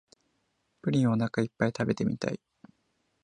プリンをおなかいっぱい食べてみたい